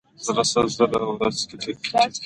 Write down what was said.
زړه سل زره ځلې په ورځ ټکي.